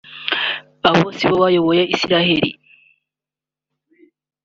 Abo si bo bayoboye Israel